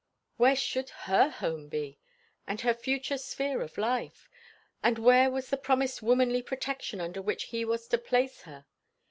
Where should her home be? and her future sphere of life? and where was the promised womanly protection under which he was to place her?